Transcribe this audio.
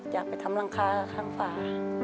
อยากไปทำรังคาข้างฝา